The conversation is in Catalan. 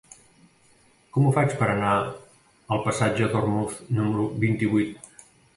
Com ho faig per anar al passatge d'Ormuz número vint-i-vuit?